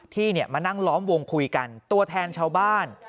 ที่มานั่งล้อมวงคุยกันตัวแทนชาวบ้าน